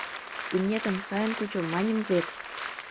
Имнетым сайын кучо, маньым вет.